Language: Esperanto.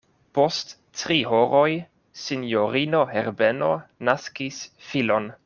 Post tri horoj, sinjorino Herbeno naskis filon.